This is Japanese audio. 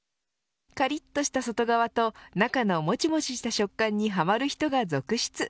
カリッとした外側と中のもちもちした食感にはまる人が続出。